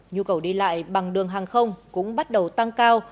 nhu cầu đi lại bằng đường hàng không cũng bắt đầu tăng cao